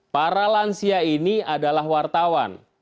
para lansia ini adalah wartawan